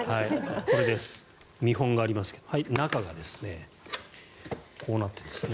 見本がありますが中がこうなってるんですね。